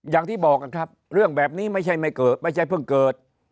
อย่างที่บอกนะครับเรื่องแบบนี้ไม่ใช่ไม่เกิดไม่ใช่เพิ่งเกิด